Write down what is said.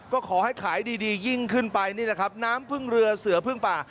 ก็ขอให้ขายดียิ่งขึ้นไปนี่แหละครับน้ำพึ่งเรือเสือพึ่งป่า